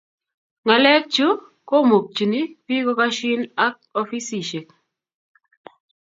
ngalek chuu komukchini pik kokashin ak ofisisiek